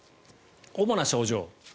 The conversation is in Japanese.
主な症状。